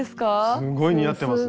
すんごい似合ってますね。